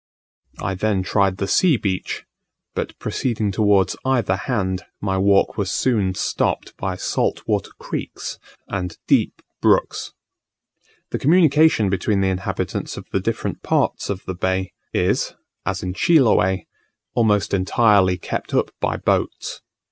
I then tried the sea beach; but proceeding towards either hand, my walk was soon stopped by salt water creeks and deep brooks. The communication between the inhabitants of the different parts of the bay, is (as in Chiloe) almost entirely kept up by boats.